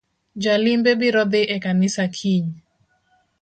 Jolimbe biro dhii e kanisa kiny